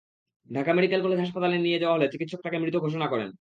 Dhaka medical college হাসপাতালে নিয়ে যাওয়া হলে চিকিৎসক তাঁকে মৃত ঘোষণা করেন।